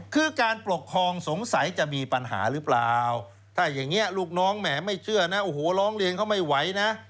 คือการปกครองสงสัยจะมีปัญหาหรือเปล่าถ้าอย่างนี้ลูกน้องแหมไม่เชื่อนะโอ้โหร้องเรียนเขาไม่ไหวนะ